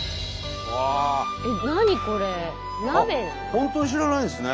本当に知らないんですね。